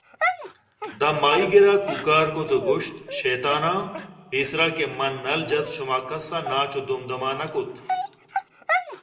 داں ماہیگ گِر ءَ کُوکار کُت ءُ گوٛشت ”شیطاناں! پیسرا کہ من نل جَت شماکسّ ءَ ناچ ءُ دم دمانہ نہ کُت